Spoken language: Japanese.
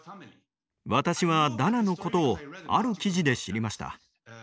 私はダナのことをある記事で知りました。